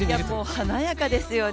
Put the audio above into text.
華やかですよね。